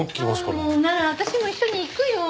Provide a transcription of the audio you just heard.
もうなら私も一緒に行くよ。